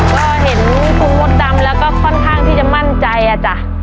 ก็เห็นคุณมดดำแล้วก็ค่อนข้างที่จะมั่นใจอ่ะจ้ะ